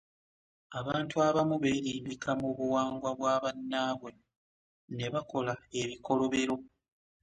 abantu abamu beerimbika mu buwangwa bwa bannaabwe ne bakola ebikolobero.